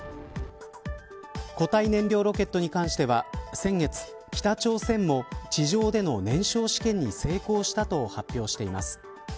固体燃料ロケットに関しては先月、北朝鮮も地上での燃焼試験に成功したと発表しています。